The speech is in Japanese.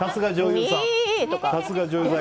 さすが、女優さん。